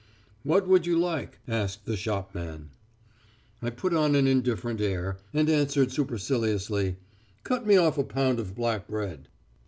"'What would you like?' asked the shopman. "I put on an indifferent air, and answered superciliously: "'Cut me off a pound of black bread....'